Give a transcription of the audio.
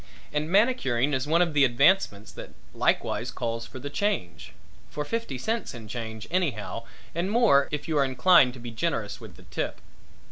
And manicuring is one of the advancements that likewise calls for the change for fifty cents in change anyhow and more if you are inclined to be generous with the tip.